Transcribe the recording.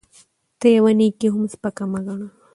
ته يوه نيکي هم سپکه مه ګڼه